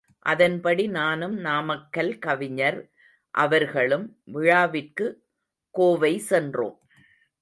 அதன்படி நானும் நாமக்கல் கவிஞர்.அவர்களும் விழாவிற்கு கோவை சென்றோம்.